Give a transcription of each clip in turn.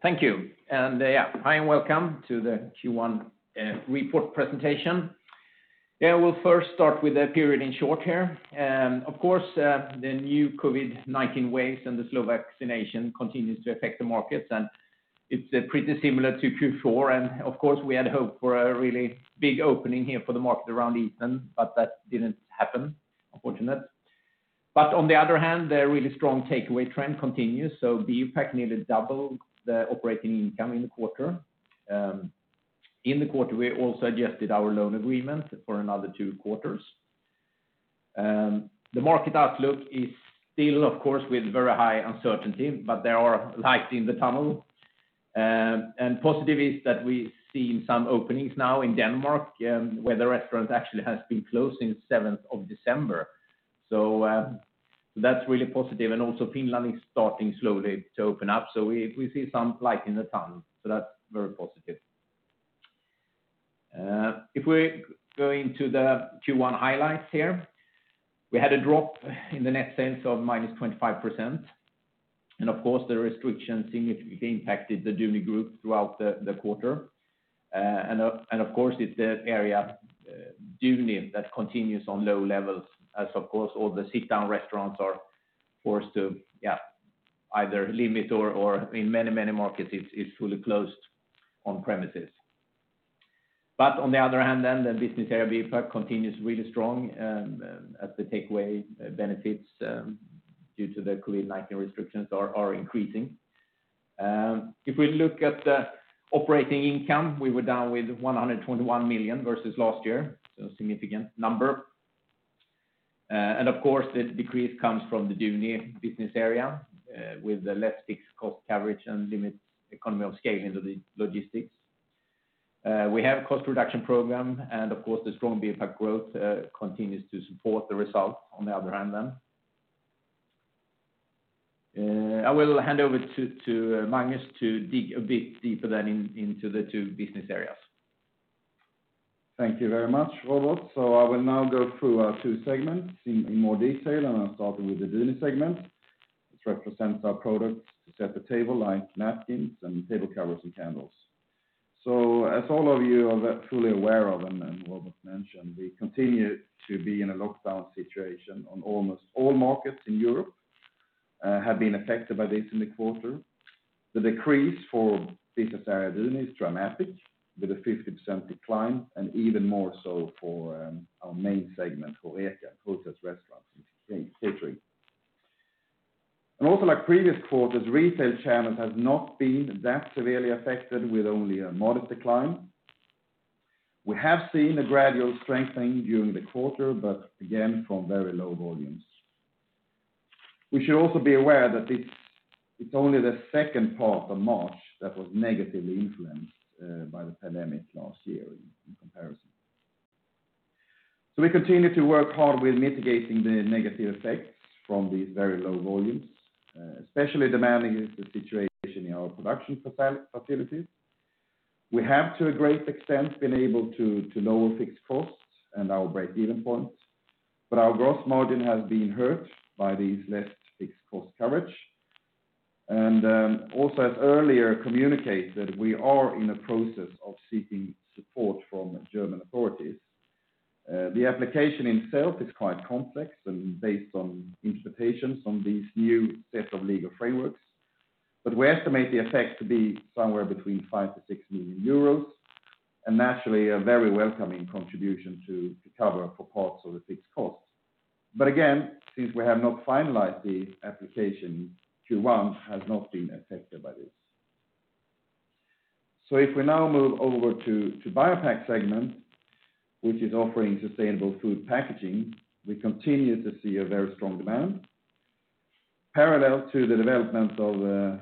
Thank you. Hi, and welcome to the Q1 report presentation. We'll first start with the period in short here. The new COVID-19 waves and the slow vaccination continues to affect the markets, and it's pretty similar to Q4. We had hoped for a really big opening here for the market around Easter, but that didn't happen. Unfortunate. On the other hand, the really strong takeaway trend continues, so BioPak nearly doubled the operating income in the quarter. In the quarter, we also adjusted our loan agreement for another two quarters. The market outlook is still, of course, with very high uncertainty, but there are lights in the tunnel. Positive is that we've seen some openings now in Denmark, where the restaurants actually have been closed since 7th of December. That's really positive. Also Finland is starting slowly to open up. We see some light in the tunnel, so that's very positive. If we go into the Q1 highlights here, we had a drop in the net sales of -25%. Of course, the restrictions significantly impacted the Duni Group throughout the quarter. Of course, it's the area, Duni, that continues on low levels. As of course, all the sit-down restaurants are forced to either limit or in many markets, it's fully closed on premises. On the other hand, the business area, BioPak continues really strong as the takeaway benefits due to the COVID-19 restrictions are increasing. If we look at the operating income, we were down with 121 million versus last year, so a significant number. Of course, the decrease comes from the Duni business area with less fixed cost coverage and limits economy of scale into the logistics. We have a cost reduction program. Of course, the strong BioPak growth continues to support the result on the other hand then. I will hand over to Magnus to dig a bit deeper then into the two business areas. Thank you very much, Robert. I will now go through our two segments in more detail, and I will start with the Duni segment, which represents our products to set the table, like napkins and table covers and candles. As all of you are truly aware of, and Robert mentioned, we continue to be in a lockdown situation on almost all markets in Europe have been affected by this in the quarter. The decrease for business area Duni is dramatic, with a 50% decline, and even more so for our main segment, HoReCa, hotels, restaurants, and catering. Also like previous quarters, retail channels has not been that severely affected with only a modest decline. We have seen a gradual strengthening during the quarter, but again, from very low volumes. We should also be aware that it's only the second part of March that was negatively influenced by the pandemic last year in comparison. We continue to work hard with mitigating the negative effects from these very low volumes. Especially demanding is the situation in our production facilities. We have, to a great extent, been able to lower fixed costs and our break-even points, but our gross margin has been hurt by these less fixed cost coverage. Also as earlier communicated, we are in a process of seeking support from German authorities. The application itself is quite complex and based on interpretations from these new set of legal frameworks. We estimate the effect to be somewhere between 5 million-6 million euros, and naturally, a very welcoming contribution to cover for parts of the fixed costs. Again, since we have not finalized the application, Q1 has not been affected by this. If we now move over to BioPak segment, which is offering sustainable food packaging, we continue to see a very strong demand. Parallel to the development of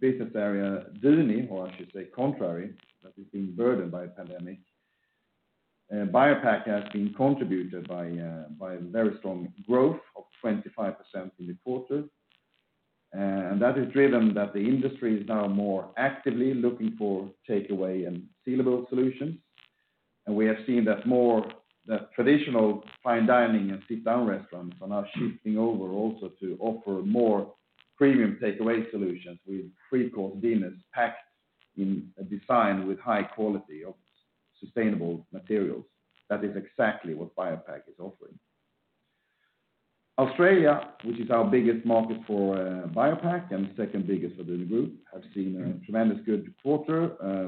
business area Duni, or I should say contrary, that has been burdened by the pandemic, BioPak has been contributed by very strong growth of 25% in the quarter. That is driven that the industry is now more actively looking for takeaway and sealable solutions. We have seen that traditional fine dining and sit-down restaurants are now shifting over also to offer more premium takeaway solutions with three-course dinners packed in a design with high quality of sustainable materials. That is exactly what BioPak is offering. Australia, which is our biggest market for BioPak and second biggest for Duni Group, have seen a tremendous good quarter,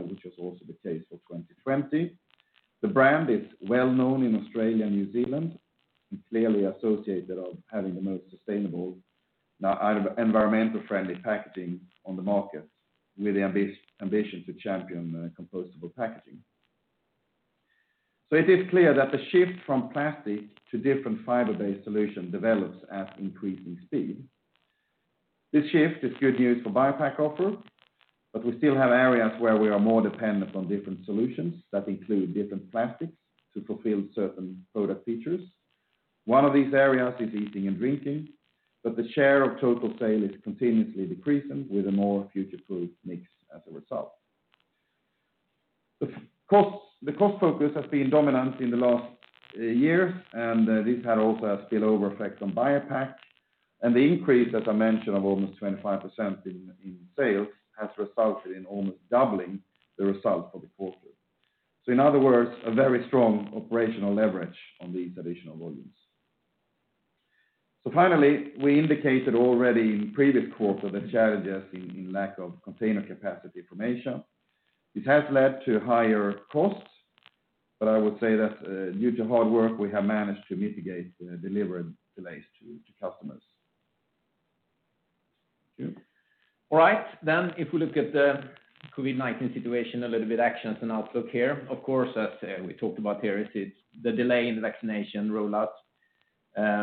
which was also the case for 2020. The brand is well-known in Australia and New Zealand and clearly associated of having the most sustainable environmental-friendly packaging on the market with the ambition to champion compostable packaging. It is clear that the shift from plastic to different fiber-based solution develops at increasing speed. This shift is good news for BioPak offer, but we still have areas where we are more dependent on different solutions that include different plastics to fulfill certain product features. One of these areas is eating and drinking, but the share of total sale is continuously decreasing with a more future-proof mix as a result. The cost focus has been dominant in the last year. This had also a spillover effect on BioPak. The increase, as I mentioned, of almost 25% in sales has resulted in almost doubling the result for the quarter. In other words, a very strong operational leverage on these additional volumes. Finally, we indicated already in previous quarter the challenges in lack of container capacity from Asia. This has led to higher costs, but I would say that due to hard work, we have managed to mitigate delivery delays to customers. Thank you. All right, if we look at the COVID-19 situation a little bit, actions and outlook here. Of course, as we talked about here, the delay in the vaccination rollout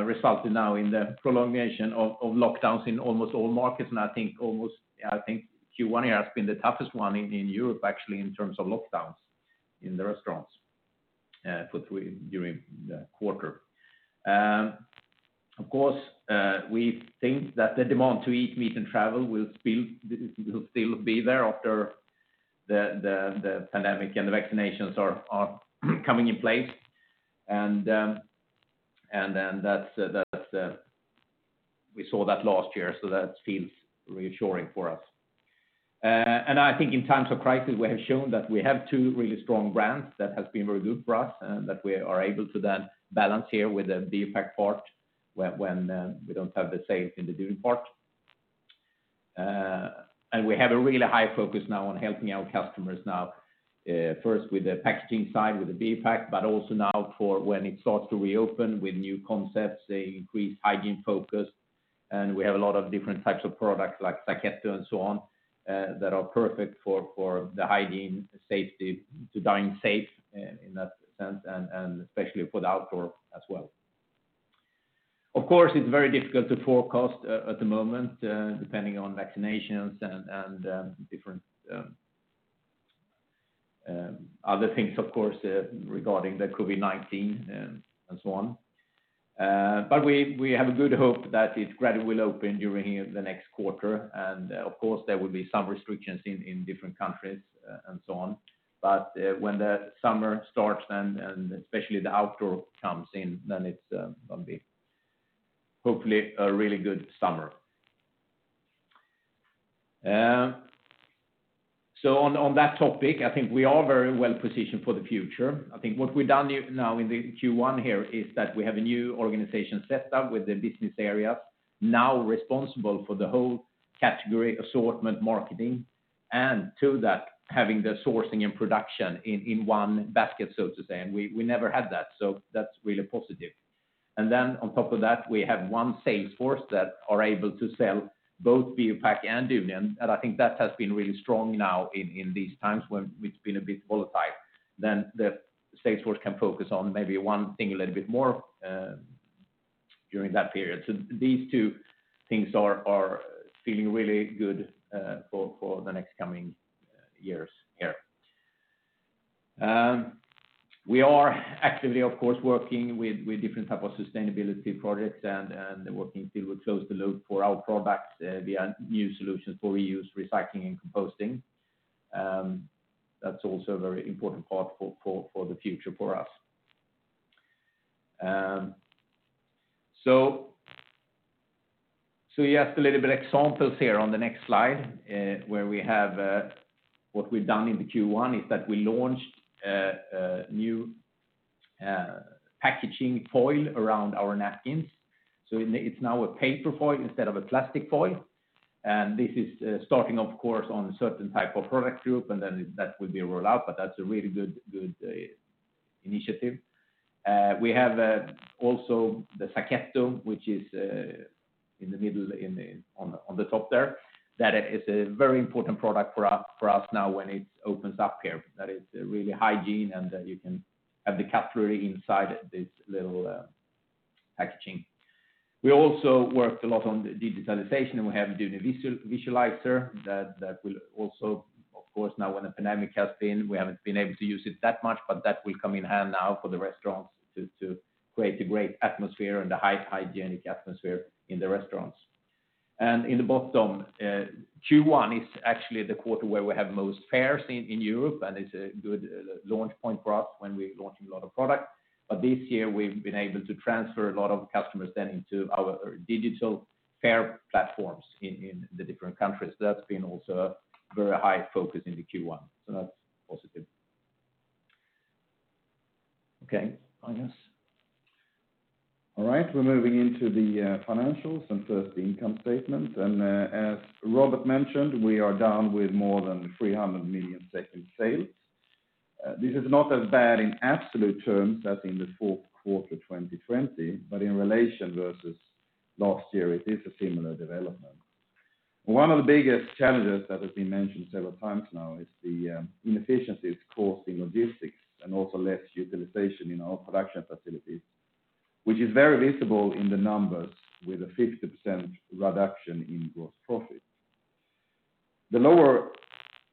resulted now in the prolongation of lockdowns in almost all markets. I think Q1 here has been the toughest one in Europe, actually, in terms of lockdowns in the restaurants for during the quarter. Of course, we think that the demand to eat out and travel will still be there after the pandemic and the vaccinations are coming in place, and then we saw that last year, so that feels reassuring for us. I think in times of crisis, we have shown that we have two really strong brands that has been very good for us, and that we are able to then balance here with the BioPak part when we don't have the sales in the Duni part. We have a really high focus now on helping our customers now, first with the packaging side, with the BioPak, but also now for when it starts to reopen with new concepts, the increased hygiene focus, and we have a lot of different types of products like Sacchetto and so on, that are perfect for the hygiene safety, to dine safe in that sense, and especially for the outdoor as well. Of course, it's very difficult to forecast at the moment, depending on vaccinations and different other things, of course, regarding the COVID-19 and so on. We have a good hope that it gradually will open during the next quarter. Of course, there will be some restrictions in different countries, and so on. When the summer starts and especially the outdoor comes in, then it's going to be hopefully a really good summer. On that topic, I think we are very well-positioned for the future. I think what we've done now in the Q1 here is that we have a new organization set up with the business area now responsible for the whole category assortment marketing, and to that, having the sourcing and production in one basket, so to say. We never had that's really positive. On top of that, we have one salesforce that are able to sell both BioPak and Duni, I think that has been really strong now in these times when it's been a bit volatile. The salesforce can focus on maybe one thing a little bit more during that period. These two things are feeling really good for the next coming years here. We are actively, of course, working with different type of sustainability projects and working to close the loop for our products via new solutions for reuse, recycling, and composting. That's also a very important part for the future for us. Yes, a little bit examples here on the next slide, where we have what we've done in the Q1 is that we launched a new packaging foil around our napkins. It's now a paper foil instead of a plastic foil. This is starting, of course, on a certain type of product group, and then that will be a rollout, but that's a really good initiative. We have also the Sacchetto, which is in the middle on the top there. That is a very important product for us now when it opens up here. That is really hygiene, and you can have the cutlery inside this little packaging. We also worked a lot on the digitalization, and we have Duni Visualiser that will also, of course, now when the pandemic has been, we haven't been able to use it that much, but that will come in hand now for the restaurants to create a great atmosphere and the hygienic atmosphere in the restaurants. In the bottom, Q1 is actually the quarter where we have most fairs in Europe, and it's a good launch point for us when we're launching a lot of product. This year, we've been able to transfer a lot of customers then into our digital fair platforms in the different countries. That's been also a very high focus into Q1, so that's positive. Okay, Magnus. We are moving into the financials and first the income statement. As Robert mentioned, we are down with more than 300 million in sales. This is not as bad in absolute terms as in the fourth quarter 2020, but in relation versus last year, it is a similar development. One of the biggest challenges that has been mentioned several times now is the inefficiencies caused in logistics and also less utilization in our production facilities, which is very visible in the numbers with a 50% reduction in gross profit. The lower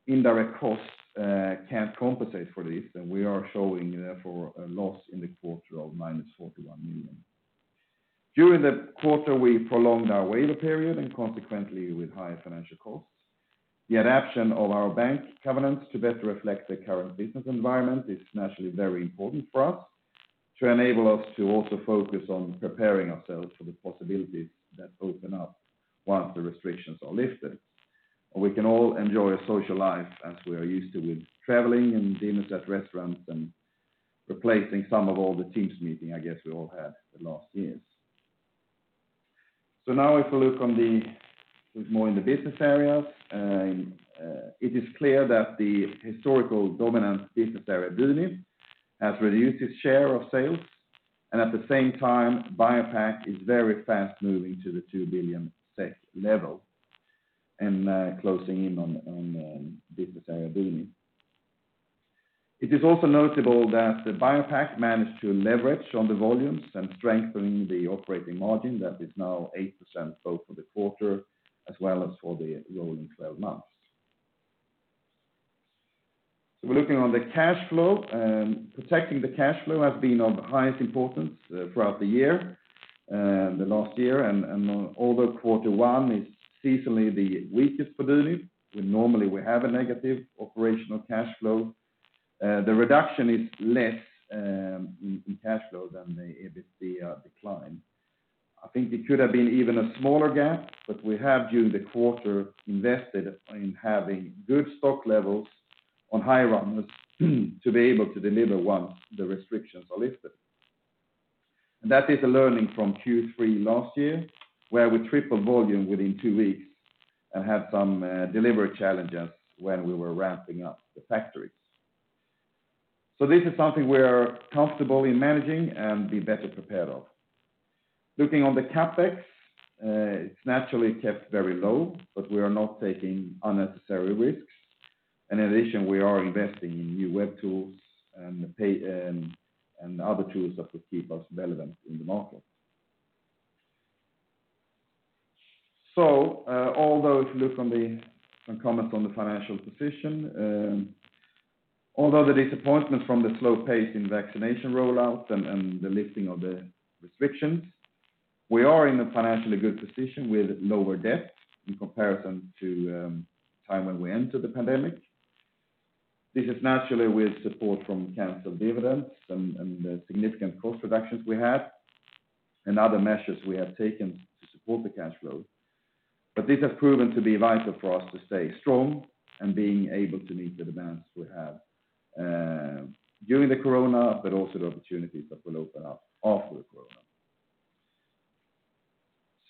indirect costs can't compensate for this, and we are showing therefore a loss in the quarter of minus 41 million. During the quarter, we prolonged our waiver period and consequently with higher financial costs. The adaption of our bank covenants to better reflect the current business environment is naturally very important for us to enable us to also focus on preparing ourselves for the possibilities that open up once the restrictions are lifted. We can all enjoy a social life as we are used to with traveling and dinners at restaurants and replacing some of all the Teams meeting, I guess, we all had the last years. Now if we look more in the business areas, it is clear that the historical dominant business area, Duni, has reduced its share of sales, and at the same time, BioPak is very fast moving to the 2 billion SEK level and closing in on business area Duni. It is also notable that the BioPak managed to leverage on the volumes and strengthen the operating margin that is now 8% both for the quarter as well as for the rolling 12 months. We're looking on the cash flow. Protecting the cash flow has been of highest importance throughout the last year. Although quarter one is seasonally the weakest for Duni, where normally we have a negative operational cash flow, the reduction is less in cash flow than the EBITDA decline. I think it could have been even a smaller gap, but we have, during the quarter, invested in having good stock levels on high runners to be able to deliver once the restrictions are lifted. That is a learning from Q3 last year, where we tripled volume within two weeks and had some delivery challenges when we were ramping up the factories. This is something we're comfortable in managing and be better prepared for. Looking on the CapEx, it's naturally kept very low, but we are not taking unnecessary risks. In addition, we are investing in new web tools and other tools that will keep us relevant in the market. If we look from the comment on the financial position, although the disappointment from the slow pace in vaccination rollouts and the lifting of the restrictions, we are in a financially good position with lower debt in comparison to time when we entered the pandemic. This is naturally with support from canceled dividends and the significant cost reductions we had and other measures we have taken to support the cash flow. This has proven to be vital for us to stay strong and being able to meet the demands we have during the corona, but also the opportunities that will open up after the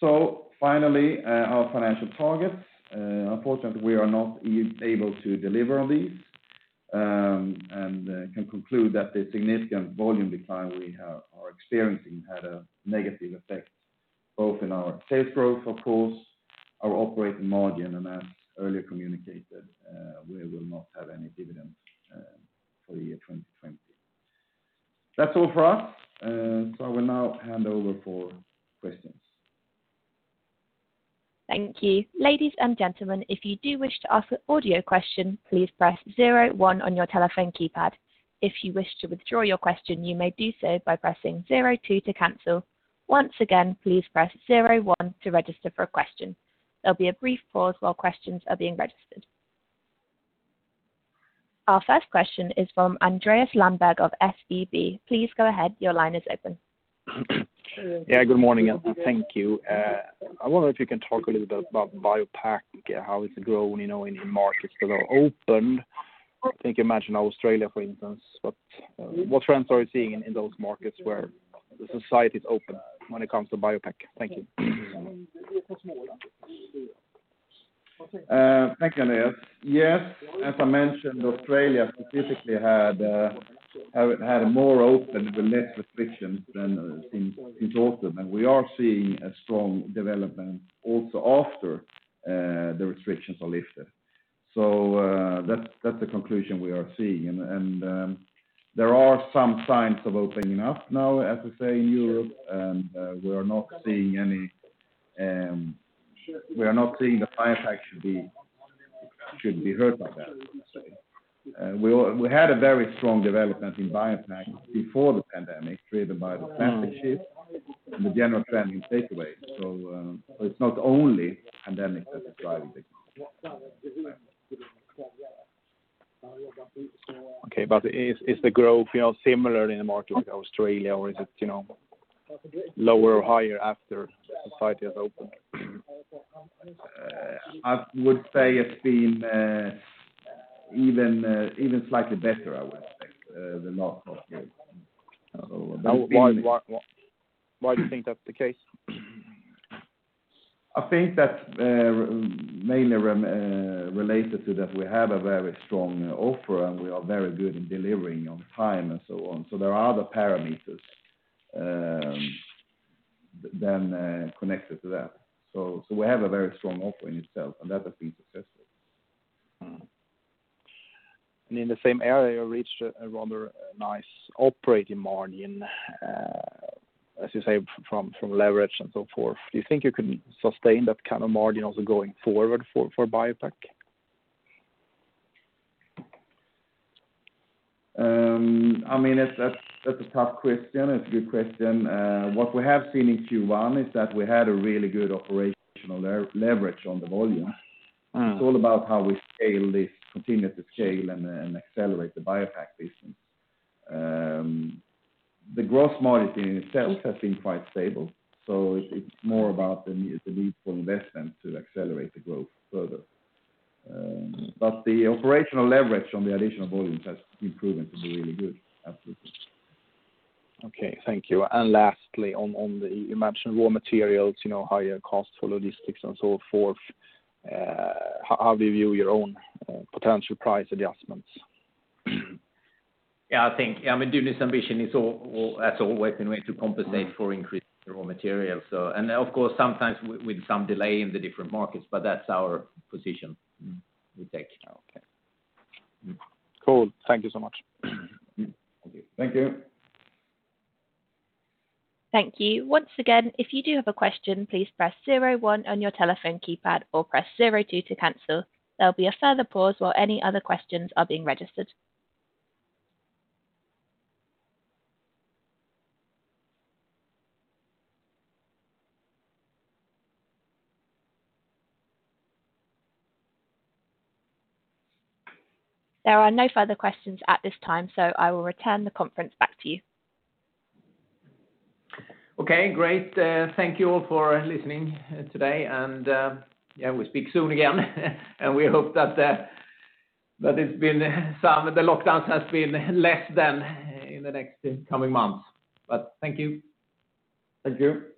corona. Finally, our financial targets. Unfortunately, we are not able to deliver on these, and can conclude that the significant volume decline we are experiencing had a negative effect both in our sales growth, of course, our operating margin, and as earlier communicated, we will not have any dividend for the year 2020. That's all for us. I will now hand over for questions. Thank you. Ladies and gentlemen, if you do wish to ask an audio question, please press zero one on your telephone keypad. If you wish to withdraw your question, you may do so by pressing zero two to cancel. Once again, please press zero one to register for a question. There'll be a brief pause while questions are being registered. Our first question is from Andreas Lamprecht of SAP. Please go ahead. Your line is open. Good morning, and thank you. I wonder if you can talk a little bit about BioPak, how it's grown in markets that are opened. I think you mentioned Australia, for instance, but what trends are you seeing in those markets where the society is open when it comes to BioPak? Thank you. Thank you, Andreas. As I mentioned, Australia specifically had more open, the less restrictions than since autumn, we are seeing a strong development also after the restrictions are lifted. That's the conclusion we are seeing, there are some signs of opening up now, as I say, in Europe, we are not seeing the BioPak should be hurt by that. We had a very strong development in BioPak before the pandemic, driven by the trend shift and the general trend in takeaway. It's not only pandemic that is driving this. Okay, is the growth similar in a market like Australia, or is it lower or higher after society has opened? I would say it's been even slightly better, I would expect, the last couple of months. Why do you think that's the case? I think that mainly related to that we have a very strong offer, and we are very good in delivering on time and so on. There are other parameters then connected to that. We have a very strong offer in itself, and that has been successful. In the same area, you reached a rather nice operating margin, as you say, from leverage and so forth. Do you think you can sustain that kind of margin also going forward for BioPak? That's a tough question. It's a good question. What we have seen in Q1 is that we had a really good operational leverage on the volume. It's all about how we continue to scale and accelerate the BioPak business. The gross margin in itself has been quite stable, so it's more about the need for investment to accelerate the growth further. The operational leverage on the additional volumes has proven to be really good. Absolutely. Okay, thank you. Lastly, you mentioned raw materials, higher costs for logistics and so forth. How do you view your own potential price adjustments? Yeah. Duni's ambition has always been a way to compensate for increased raw materials. Of course, sometimes with some delay in the different markets, but that's our position we take. Okay. Cool. Thank you so much. Thank you. Thank you. Once again, if you do have a question, please press zero one on your telephone keypad or press zero two to cancel. There'll be a further pause while any other questions are being registered. There are no further questions at this time, so I will return the conference back to you. Okay, great. Thank you all for listening today. We'll speak soon again. We hope that the lockdowns has been less than in the next coming months. Thank you. Thank you.